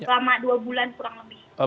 selama dua bulan kurang lebih